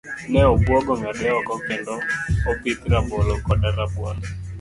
Ne obuogo ng'ade oko kendo opith rabolo koda rabuon.